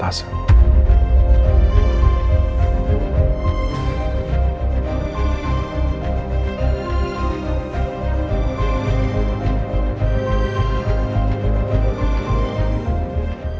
telah menyebabkan kecelakaan remblong